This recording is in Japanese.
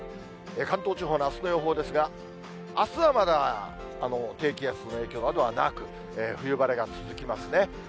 関東地方のあすの予報ですが、あすはまだ低気圧の影響などはなく、冬晴れが続きますね。